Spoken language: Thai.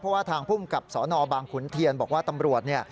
เพราะว่าทางพุ่มกับสนบางขุนเทียนบอกว่าตำรวจ